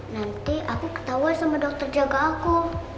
nanti aku ketahuan sama dokter jaga aku